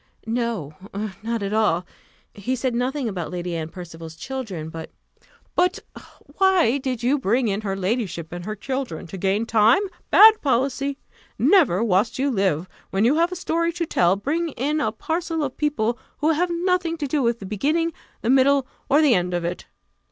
"No, not at all; he said nothing about Lady Anne Percival's children, but " "But why then did you bring in her ladyship and her children? To gain time? Bad policy! Never, whilst you live, when you have a story to tell, bring in a parcel of people who have nothing to do with the beginning, the middle, or the end of it.